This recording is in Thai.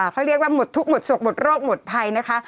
เขาเรียกว่าหมดทุกข์หมดศพหมดโรคหมดภัยนะคะ